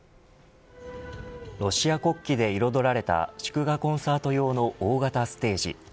ロシア国旗で彩られた祝賀コンサート用の大型ステージ。